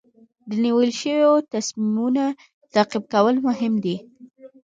د نیول شوو تصمیمونو تعقیب کول مهم دي.